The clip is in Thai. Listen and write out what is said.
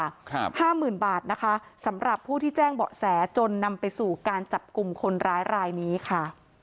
ครับห้าหมื่นบาทนะคะสำหรับผู้ที่แจ้งเบาะแสจนนำไปสู่การจับกลุ่มคนร้ายรายนี้ค่ะ